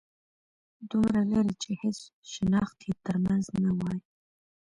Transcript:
دومره لرې چې هيڅ شناخت يې تر منځ نه وای